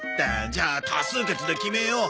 じゃあ多数決で決めよう。